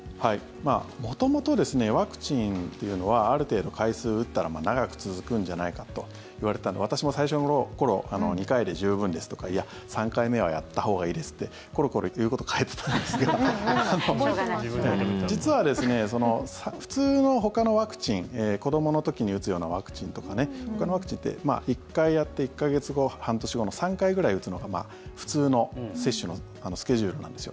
元々、ワクチンというのはある程度回数を打ったら長く続くんじゃないかといわれていたので私も最初の頃２回で十分ですとかいや、３回目はやったほうがいいですってコロコロ言うこと変えてたんですけど実は、普通のほかのワクチン子どもの時に打つようなワクチンとかほかのワクチンって１回やって１か月後、半年後の３回くらい打つのが普通の接種のスケジュールなんですよ。